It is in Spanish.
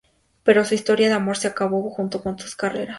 Pero su historia de amor se acabó junto con sus carreras.